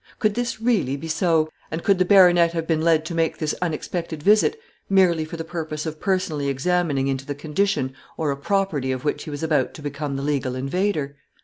Could this really be so, and could the baronet have been led to make this unexpected visit merely for the purpose of personally examining into the condition or a property of which he was about to become the legal invader?